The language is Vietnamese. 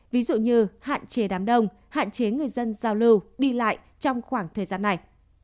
ví dụ như hạn chế đám đông hạn chế người dân giao lưu đi lại trong khoảng thời gian này